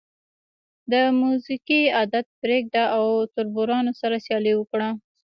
د موزیګي عادت پرېږده او تربورانو سره سیالي وکړه.